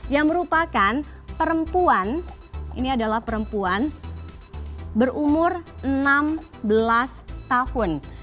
yang merupakan perempuan ini adalah perempuan berumur enam belas tahun